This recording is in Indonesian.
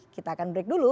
kita akan break dulu